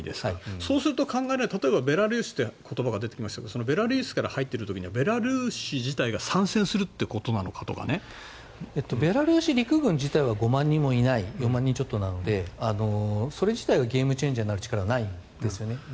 そうすると、例えばベラルーシという言葉が出てきましたがそのベラルーシから入っている時にベラルーシ自体がベラルーシ陸軍自体は５万人もいない４万人ちょっとなのでそれ自体がゲームチェンジャーになる力はないんですよね。